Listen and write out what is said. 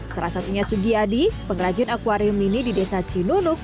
salah satunya sugi adi pengrajin akwarium ini di desa cinunuk